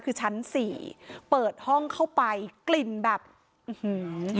คือชั้นสี่เปิดห้องเข้าไปกลิ่นแบบอื้อหือ